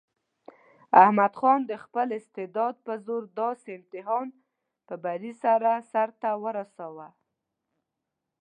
احمد خان د خپل استعداد په زور داسې امتحان په بري سره سرته ورساوه.